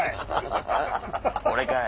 俺かい！